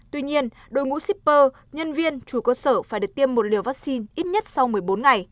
tuy nhiên đội ngũ shipper nhân viên chủ cơ sở phải được tiêm một liều vaccine ít nhất sau một mươi bốn ngày